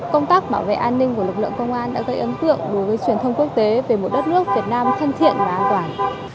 công tác bảo vệ an ninh của lực lượng công an đã gây ấn tượng đối với truyền thông quốc tế về một đất nước việt nam thân thiện và an toàn